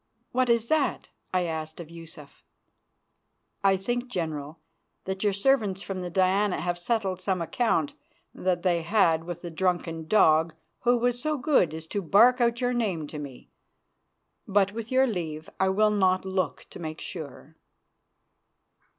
"What is that?" I asked of Yusuf. "I think, General, that your servants from the Diana have settled some account that they had with the drunken dog who was so good as to bark out your name to me. But, with your leave, I will not look to make sure."